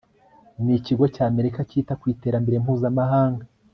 n ikigo cy amerika cyita ku iterambere mpuzamahanga